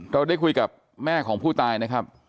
เราได้คุยกับแม่ของผู้ตายนะครับ